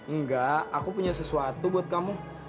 enggak aku punya sesuatu buat kamu